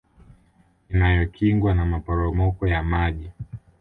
Inayokingwa na maporomoko ya maji